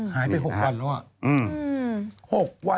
หายไป๖วันหรือเปล่า